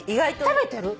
食べてる？